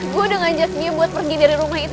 gue udah ngajak dia buat pergi dari rumah itu